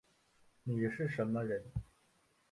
你是什么人